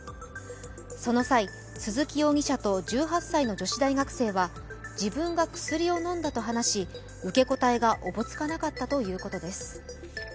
その際、鈴木容疑者と１８歳の女子大学生は自分が薬を飲んだと話し受け答えがおぼつかなかったということです。